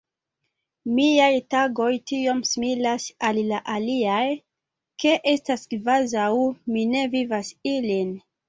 Miaj tagoj tiom similas al la aliaj, ke estas kvazaŭ mi ne vivas ilin.